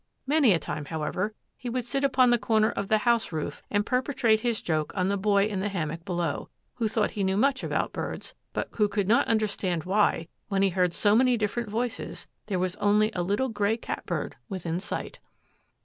Many a time, however, he would sit upon the corner of the house roof and perpetrate his joke on the boy in the hammock below, who thought he knew much about birds, but who could not understand why, when he heard so many different voices, there was only a little gray cat bird within sight.